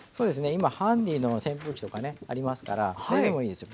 今ハンディーの扇風機とかねありますからそれでもいいですよ。